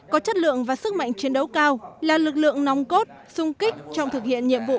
có chất lượng và sức mạnh chiến đấu cao là lực lượng nóng cốt sung kích trong thực hiện nhiệm vụ